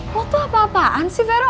lo tuh apa apaan sih vero